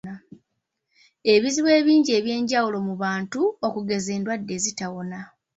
Ebizibu ebingi ebyajjawo mu bantu okugeza endwadde ezitawona.